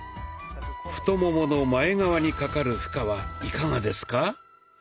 太ももの前側にかかる負荷はいかがですか？